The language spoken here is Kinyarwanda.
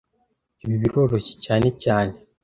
Ibi biroroshye cyane cyane